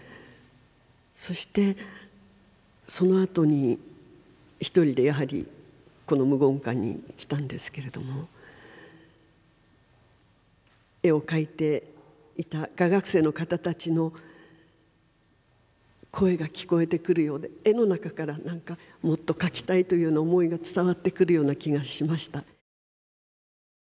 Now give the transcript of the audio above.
そしてそのあとに１人でやはりこの無言館に来たんですけれども絵を描いていた画学生の方たちの声が聞こえてくるようで絵の中から何かもっと描きたいというような思いが伝わってくるような気がしました。